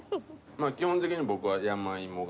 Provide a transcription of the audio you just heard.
基本的に僕は。